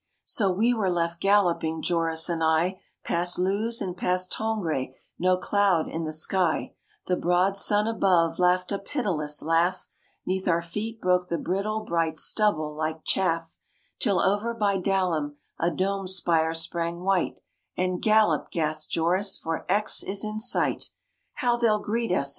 So we were left galloping, Joris and I, Past Looz and past Tongres, no cloud in the sky; The broad sun above laughed a pitiless laugh, 'Neath our feet broke the brittle bright stubble like chaff; Till over by Dalhem a dome spire sprang white, And "Gallop," gasped Joris, "for Aix is in sight!" "How they'll greet us!"